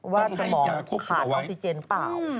ว่าสมองขาดออสิเจนเปล่า